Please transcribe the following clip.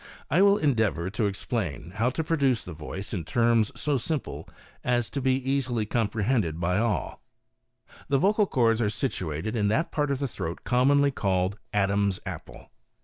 I will endeavor to explain how to produce the voice in terms so simple as to be easily compre hended by all : The vocal chords are situated in that part of the throat commonly called "Adam's apple."